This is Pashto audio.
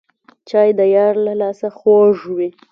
چای د یار له لاسه خوږ وي